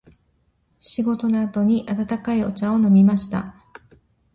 仕事の後に温かいお茶を飲みました。